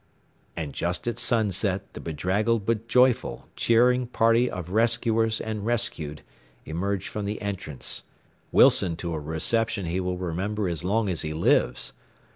And just at sunset the bedraggled but joyful, cheering party of rescuers and rescued emerged from the entrance Wilson to a reception he will remember as long as he lives.